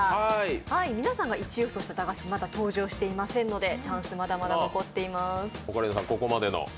皆さんが１位予想していた駄菓子、まだ登場してませんのでチャンス、まだまだ残っています。